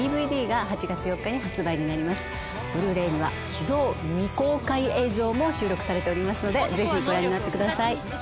Ｂｌｕ−ｒａｙには秘蔵未公開映像も収録されておりますのでぜひご覧になってください。